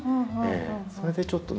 それでちょっとね